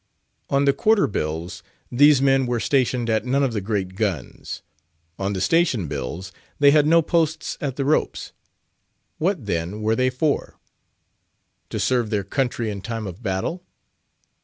On the quarter bills, these men were stationed at none of the great guns; on the station bills, they had no posts at the ropes. What, then, were they for? To serve their country in time of battle?